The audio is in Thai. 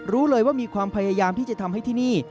รู้เลยว่ามีความพยายามที่จะทำให้ที่นี่